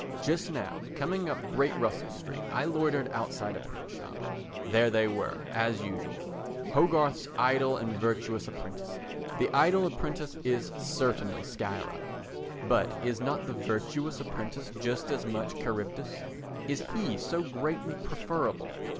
Just now coming up Great Russell Street I loitered outside a print shop. There they were as usual—Hogarth's Idle and Virtuous Apprentices. The idle apprentice is certainly Scylla, but is not the virtuous apprentice just as much Charybdis? Is he so greatly preferable?